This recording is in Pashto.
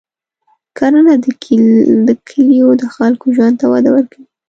کرنه د کلیو د خلکو ژوند ته وده ورکوي.